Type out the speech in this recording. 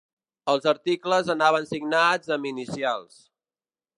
Els articles anaven signats amb inicials.